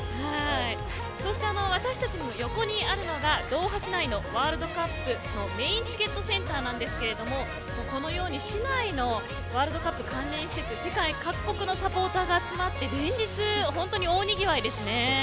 そして私たちの横にあるドーハ市内のワールドカップのメインチケットセンターなんですけれどもこのように市内のワールドカップ関連施設世界各国のサポーターが集まって連日、本当、大賑わいですね。